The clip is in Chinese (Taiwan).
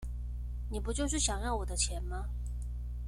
你不就是想要我的錢嗎?